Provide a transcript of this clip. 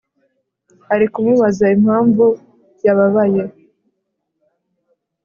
arikumubaza impamvu yababaye